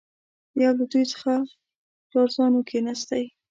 یو له دوی څخه چارزانو کښېنستی.